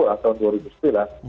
atau tahun dua ribu sembilan